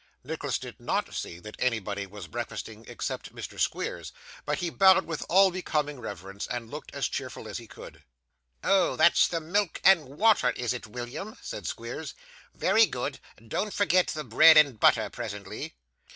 Nicholas did NOT see that anybody was breakfasting, except Mr. Squeers; but he bowed with all becoming reverence, and looked as cheerful as he could. 'Oh! that's the milk and water, is it, William?' said Squeers. 'Very good; don't forget the bread and butter presently.